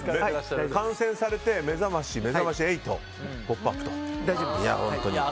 観戦されて「めざまし」、「めざまし８」「ポップＵＰ！」と。